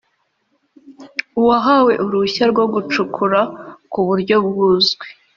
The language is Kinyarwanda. uwahawe uruhushya rwo gucukura ku buryo buzwi